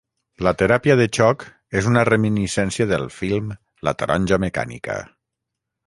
La teràpia de xoc és una reminiscència del film La Taronja Mecànica.